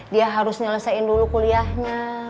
dia harus menyelesaikan dulu kuliahnya